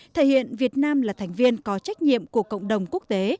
thể hiện việt nam là thành viên có trách nhiệm của cộng đồng quốc tế